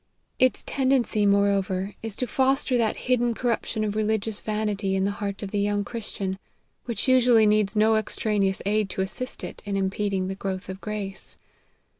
Its tendency, moreover, is to foster that hidden corruption of religious vanity in the heart of the young Christian, which usually needs no extraneous aid to assist it in impeding the growth of grace.